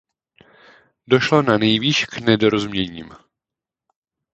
Došlo nanejvýš k nedorozuměním.